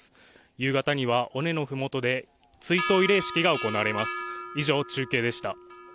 夕方には尾根のふもとで追悼慰霊式が行われます